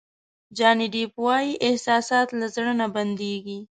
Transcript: جاني دیپ وایي احساسات له زړه نه بندېږي.